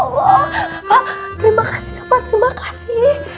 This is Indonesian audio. pak terima kasih pak terima kasih